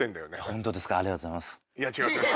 本当ですかありがとうございます。